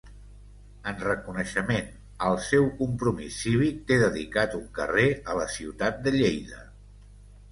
En reconeixement al seu compromís cívic té dedicat un carrer a la ciutat de Lleida.